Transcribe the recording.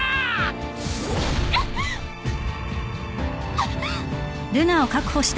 あっ！